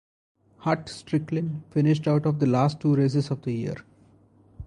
Hut Stricklin finished out the last two races of the year.